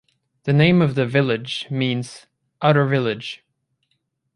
The name of the village means "outer village".